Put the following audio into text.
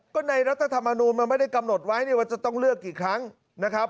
ก็ในรัฐธรรมนูลมันไม่ได้กำหนดไว้เนี่ยว่าจะต้องเลือกกี่ครั้งนะครับ